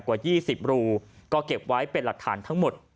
กว่า๒๐รูก็เก็บไว้เป็นหลักฐานทั้งหมด